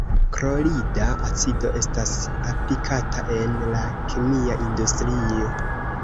Klorida acido estas aplikata en la kemia industrio.